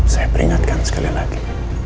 saya peringatkan sekali lagi